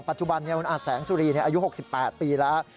ปัจจุบันคุณอาแสงสุรีอายุ๖๘ปีแล้ว